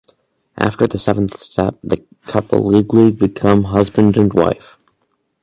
After the seventh step, the couple legally become husband and wife.